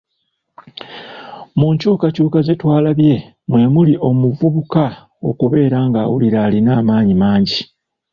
Mu nkyukakyuka ze twalabye mwe muli, omuvubuka okubeera ng'awulira alina amaanyi mangi.